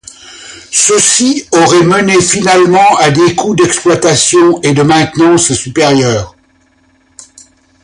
Ceci aurait mené finalement à des coûts d'exploitation et de maintenance supérieurs.